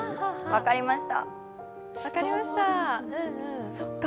分かりました。